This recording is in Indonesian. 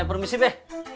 saya permisi be